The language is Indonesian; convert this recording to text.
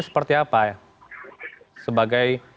seperti apa ya sebagai